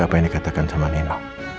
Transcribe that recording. apa yang dikatakan sama neno